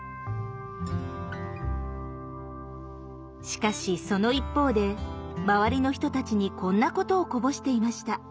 しかしその一方で周りの人たちにこんなことをこぼしていました。